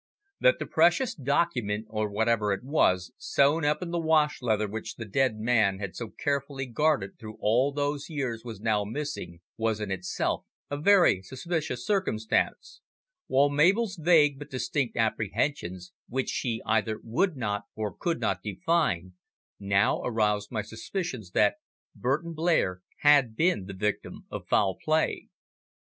That the precious document, or whatever it was, sewn up in the wash leather which the dead man had so carefully guarded through all those years was now missing was, in itself, a very suspicious circumstance, while Mabel's vague but distinct apprehensions, which she either would not or could not define, now aroused my suspicions that Burton Blair had been the victim of foul play.